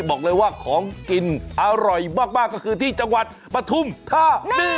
บอกเลยว่าของกินอร่อยมากก็คือที่จังหวัดปฐุมธานี